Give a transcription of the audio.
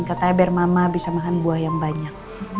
katanya biar mama bisa makan buah yang banyak